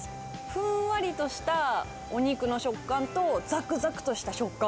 ふんわりとしたお肉の食感と、ざくざくとした食感。